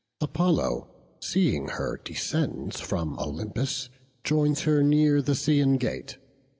Apollo, seeing her descend from Olympus, joins her near the Scaean gate.